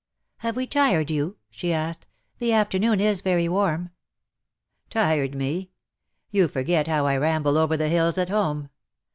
"Have we tired you?" she asked. "The afternoon is very warm." " Tired me ! You forget how I ramble over the hills at home.